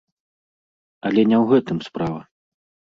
Але не ў гэтым справа.